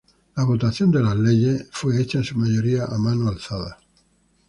La votación de las leyes fue hecha en su mayoría a mano alzada.